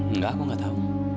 enggak aku nggak tahu